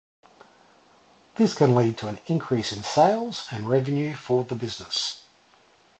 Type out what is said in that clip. This can lead to an increase in sales and revenue for the business.